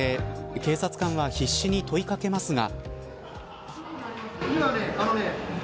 警察官は必死に問いかけますが。